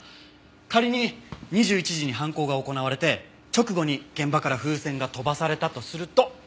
仮に２１時に犯行が行われて直後に現場から風船が飛ばされたとすると。